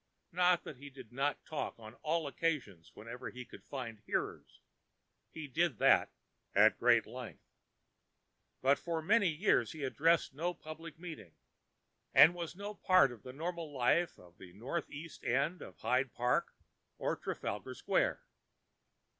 Not that he did not talk on all occasions whenever he could find hearers, he did that at great length; but for many years he addressed no public meeting, and was no part of the normal life of the northeast end of Hyde Park or Trafalgar Square.